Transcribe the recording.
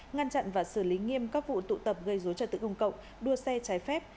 ngăn chặn và xử lý nghiêm các vụ tụ tập gây dối trật tự công cộng đua xe trái phép